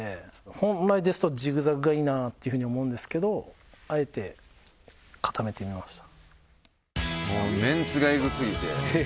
本来ですとジグザグがいいなっていう風に思うんですけどあえて固めてみました。